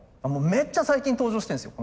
めっちゃ最近登場してるんですよ